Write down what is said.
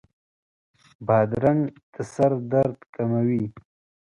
بادرنګ د سر درد کموي.